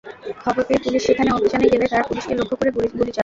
খবর পেয়ে পুলিশ সেখানে অভিযানে গেলে তারা পুলিশকে লক্ষ্য করে গুলি চালায়।